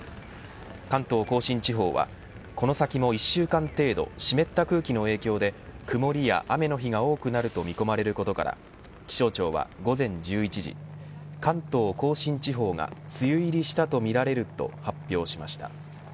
関東甲信地方はこの先も１週間程度湿った空気の影響で曇りや雨の日が多くなると見込まれることから気象庁は午前１１時関東甲信地方が梅雨入りしたとみられると発表しました。